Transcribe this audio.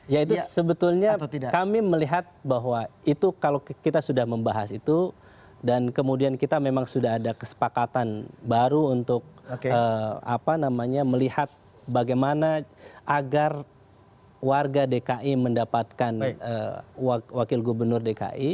dan itu sebetulnya kami melihat bahwa itu kalau kita sudah membahas itu dan kemudian kita memang sudah ada kesepakatan baru untuk melihat bagaimana agar warga dki mendapatkan wakil gubernur dki